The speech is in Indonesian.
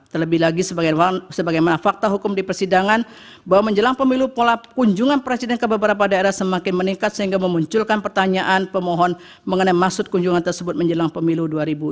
terlebih lagi sebagaimana fakta hukum di persidangan bahwa menjelang pemilu pola kunjungan presiden ke beberapa daerah semakin meningkat sehingga memunculkan pertanyaan pemohon mengenai maksud kunjungan tersebut menjelang pemilu dua ribu dua puluh